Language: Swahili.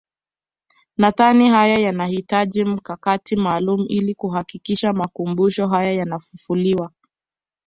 Nadhani haya yanahitaji mkakati maalum ili kuhakikisha makumbusho haya yanafufuliwa